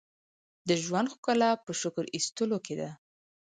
• د ژوند ښکلا په شکر ایستلو کې ده.